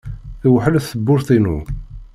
Tewḥel tewwurt-inu.